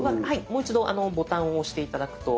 もう一度ボタンを押して頂くと。